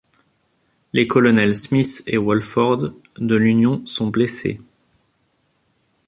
Les colonels Smith et Wolford de l'Union sont blessés.